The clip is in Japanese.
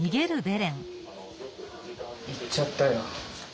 行っちゃったよ。